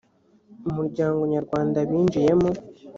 umuryango nyarwanda binjiyemo